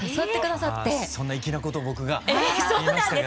そんな粋なことを僕が言いましたか。